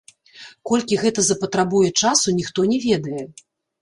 Колькі гэта запатрабуе часу, ніхто не ведае.